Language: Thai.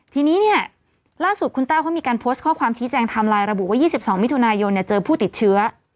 ทีนี้เนี่ยล่าสุดคุณแต้วเขามีการโพสต์ข้อความชี้แจงไทม์ไลน์ระบุว่า๒๒มิถุนายนเจอผู้ติดเชื้อ